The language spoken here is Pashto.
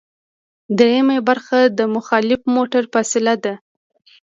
دریمه برخه د مخالف موټر فاصله ده